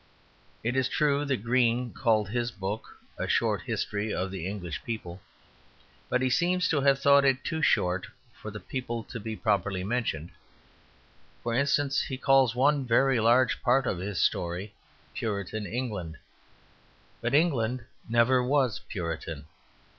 It is true that Green called his book "A Short History of the English People"; but he seems to have thought it too short for the people to be properly mentioned. For instance, he calls one very large part of his story "Puritan England." But England never was Puritan.